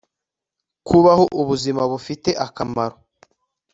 kubaho ubuzima bufite akamaro